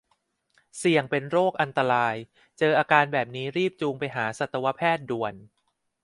เสี่ยงเป็นโรคอันตราย เจออาการแบบนี้รีบจูงไปหาสัตวแพทย์ด่วน